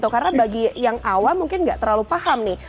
karena bagi yang awam mungkin nggak terlalu paham nih